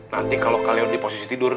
kalian udah di posisi tidur